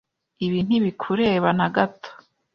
Ibi ntibikureba na gato.